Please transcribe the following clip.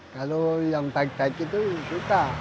kalau yang baik baik itu kita